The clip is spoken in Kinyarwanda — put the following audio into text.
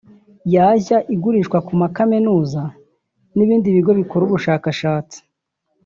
yajya igurishwa ku makaminuza n’ibindi bigo bikora ubushakashatsi